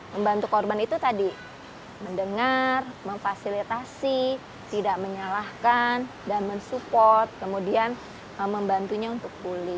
membantu korban itu tadi mendengar memfasilitasi tidak menyalahkan dan mensupport kemudian membantunya untuk pulih